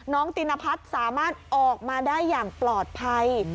ตินพัฒน์สามารถออกมาได้อย่างปลอดภัย